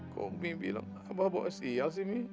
kok umi bilang abah bawa sial sih mi